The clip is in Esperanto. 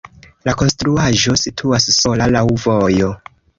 La konstruaĵo situas sola laŭ vojo.